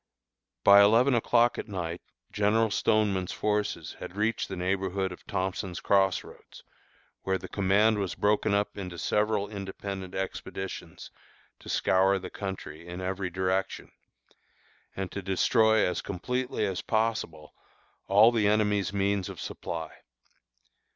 By eleven o'clock at night General Stoneman's forces had reached the neighborhood of Thompson's Cross Roads, where the command was broken up into several independent expeditions to scour the country in every direction, and to destroy as completely as possible all the enemy's means of supply.